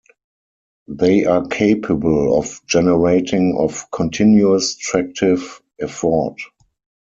They are capable of generating of continuous tractive effort.